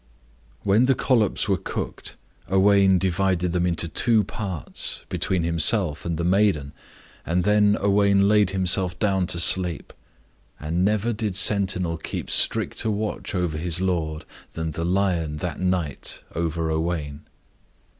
When the collops were cooked, Owain divided them into two parts, between himself and the maiden, and then Owain laid himself down to sleep; and never did sentinel keep stricter watch over his lord than the lion that night over Owain.